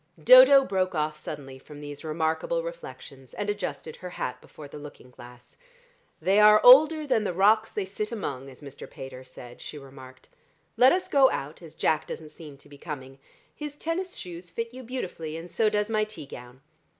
Dodo broke off suddenly from these remarkable reflections, and adjusted her hat before the looking glass. "They are older than the rocks they sit among, as Mr. Pater said," she remarked. "Let us go out, as Jack doesn't seem to be coming. His tennis shoes fit you beautifully and so does my tea gown.